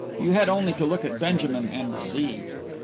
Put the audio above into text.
You had only to look at Benjamin and see.